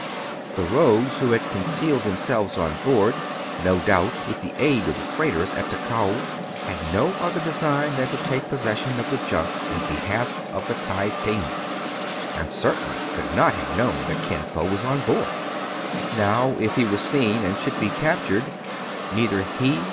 The rogues who had concealed themselves on board — no doubt with the aid of the freighters at Takou — had no other design than to take possession of the junk in behalf of the "Tai ping, and certainly could not have known that Kin Fo was on board. Now, if he were seen, and should be captured, neither he.